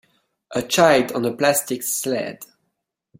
A child on a plastic sled.